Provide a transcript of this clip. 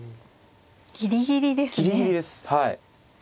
ギリギリですね。